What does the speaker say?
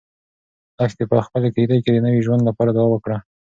لښتې په خپلې کيږدۍ کې د نوي ژوند لپاره دعا وکړه.